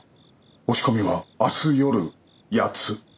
押し込みは明日夜八つ。